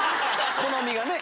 好みがね。